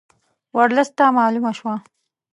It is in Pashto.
ورلسټ ته معلومه شوه.